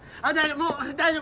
もう大丈夫。